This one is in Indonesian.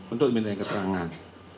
untuk meminta keterangan